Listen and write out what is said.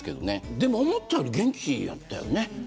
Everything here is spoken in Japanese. でも思ったより元気やったよね。